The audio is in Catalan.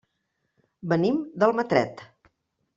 Venim d'Almatret.